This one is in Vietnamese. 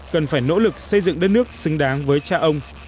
cần phải nỗ lực xây dựng đất nước xứng đáng với cha ông